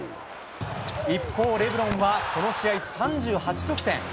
一方、レブロンはこの試合３８得点。